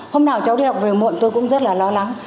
hôm nào cháu đi học về muộn tôi cũng rất là lo lắng